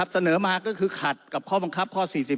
เสนอมาก็คือขัดกับข้อบังคับข้อ๔๔